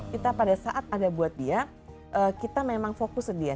kita pada saat ada buat dia kita memang fokus ke dia